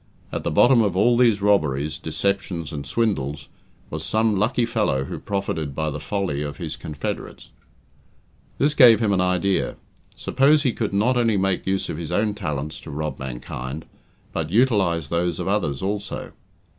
At the bottom of all these robberies, deceptions, and swindles, was some lucky fellow who profited by the folly of his confederates. This gave him an idea. Suppose he could not only make use of his own talents to rob mankind, but utilize those of others also?